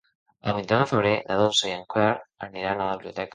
El vint-i-nou de febrer na Dolça i en Quer aniran a la biblioteca.